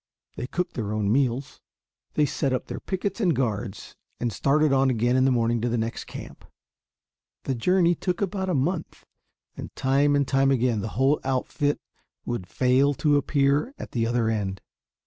They cooked their own meals. They set up their pickets and guards, and started on again in the morning to the next camp. The journey took about a month; and time and time again the whole outfit would fail to appear at the other end.